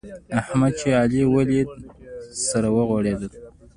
احمد چې علي وليد؛ سره غوړېدل.